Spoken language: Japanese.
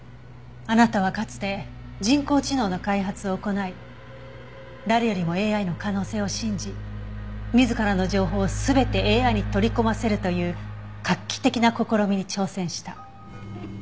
あなたはかつて人工知能の開発を行い誰よりもＡＩの可能性を信じ自らの情報を全てＡＩに取り込ませるという画期的な試みに挑戦した。